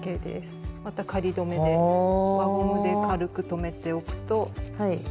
また仮どめで輪ゴムで軽くとめておくと。